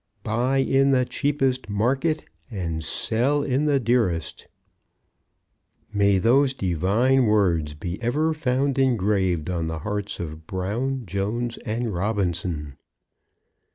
"Buy in the cheapest market and sell in the dearest." May those divine words be ever found engraved on the hearts of Brown, Jones, and Robinson!